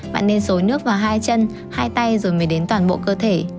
bạn nên xôi nước vào hai chân hai tay rồi mới đến toàn bộ cơ thể